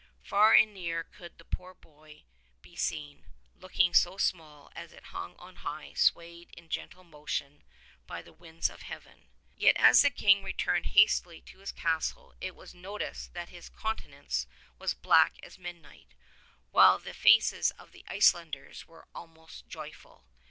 Far and near could the poor body be seen, looking so small as it hung on high, swayed into gentle motion by the winds of heaven. Yet as the King returned hastily to his castle it was no ticed that his countenance was black as midnight, while the faces of the Icelanders were almost joyful.